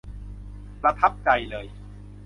ประทับใจเลย